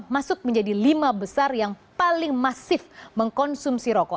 masuk menjadi lima besar yang paling masif mengkonsumsi rokok